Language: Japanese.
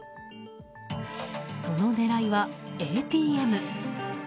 その狙いはＡＴＭ。